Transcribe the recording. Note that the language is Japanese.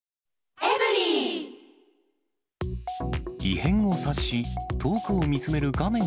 異変を察し、遠くを見つめる画面